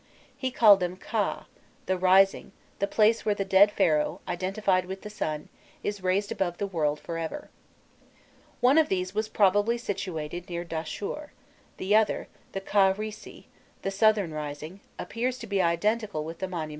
He called them "Khâ," the Rising, the place where the dead Pharaoh, identified with the sun, is raised above the world for ever. One of these was probably situated near Dahshur; the other, the "Khâ rîsi," the Southern Rising, appears to be identical with the monument of Mêdûm.